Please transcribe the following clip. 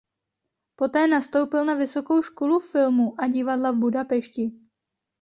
Poté nastoupil na Vysokou školu filmu a divadla v Budapešti.